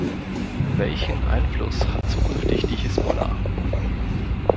Welchen Einfluss hat zukünftig die Hisbollah?